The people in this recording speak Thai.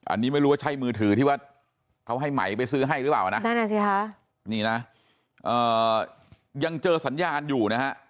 อันนี้ไม่รู้ว่าใช่มือถือที่ว่าเขาให้ไหมไปซื้อให้หรือเปล่านะนั่นอ่ะสิคะนี่นะยังเจอสัญญาณอยู่นะฮะ